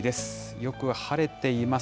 よく晴れています。